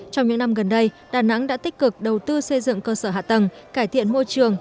trong những năm gần đây đà nẵng đã tích cực đầu tư xây dựng cơ sở hạ tầng cải thiện môi trường